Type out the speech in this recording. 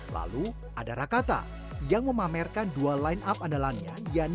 lalu ada rakata yang memamerkan dua line up anggaran indonesia ini